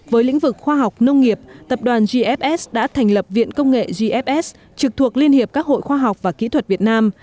với lĩnh vực khoa học nông nghiệp tập đoàn gfs đã thành lập viện công nghệ gfs trực thuộc liên hiệp các hội khoa học và kỹ thuật việt nam